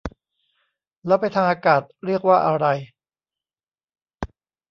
แล้วไปทางอากาศเรียกว่าอะไร